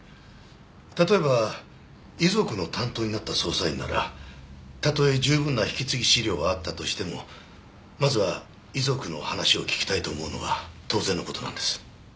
例えば遺族の担当になった捜査員ならたとえ十分な引き継ぎ資料があったとしてもまずは遺族の話を聞きたいと思うのは当然の事なんです。